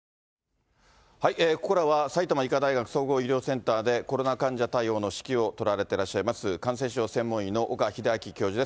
ここからは、埼玉医科大学総合医療センターでコロナ患者対応の指揮をとられてらっしゃいます、感染症専門医の岡秀昭教授です。